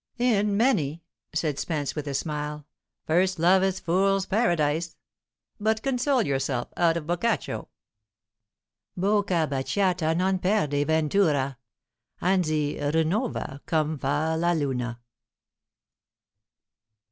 "In many," said Spence, with a smile. "First love is fool's paradise. But console yourself out of Boccaccio. 'Bocca baciata non perde ventura; anzi rinnuova, come fa la luna.'"